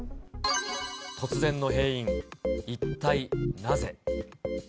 突然の閉院、一体なぜ。